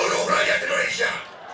seluruh rakyat indonesia